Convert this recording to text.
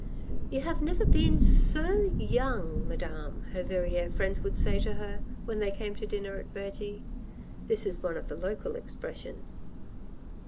"You have never been so yoting, Madame," her Verrieres friends would say to her, when they came to dinner at Vergy (this is one of the local expressions).